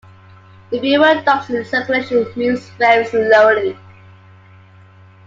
The Brewer-Dobson circulation moves very slowly.